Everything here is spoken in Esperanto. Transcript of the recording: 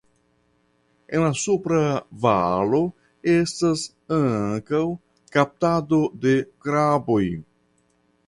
En la supra valo estas ankaŭ kaptado de kraboj.